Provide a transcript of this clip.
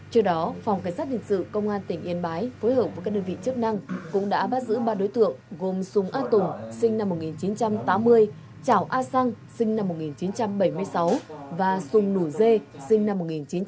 trước đó phòng cảnh sát hình sự công an tỉnh yên bái phối hợp với các đơn vị chức năng cũng đã bắt giữ ba đối tượng gồm sùng a tùng sinh năm một nghìn chín trăm tám mươi trảo a sang sinh năm một nghìn chín trăm bảy mươi sáu và sùng nủ dê sinh năm một nghìn chín trăm tám mươi